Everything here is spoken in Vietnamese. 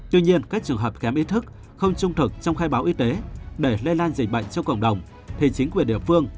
tuy nhiên các trường hợp kém ý thức không trung thực trong khai báo y tế để lây lan dịch bệnh trong cộng đồng thì chính quyền địa phương